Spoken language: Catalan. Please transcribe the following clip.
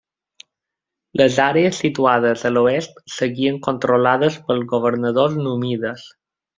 Les àrees situades a l'oest seguien controlades pels governadors númides.